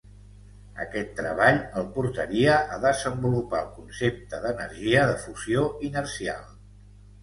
Aquest treball el portaria a desenvolupar el concepte d'energia de fusió inercial.